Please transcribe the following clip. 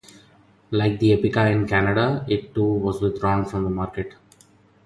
Like the Epica in Canada, it too was withdrawn from the market.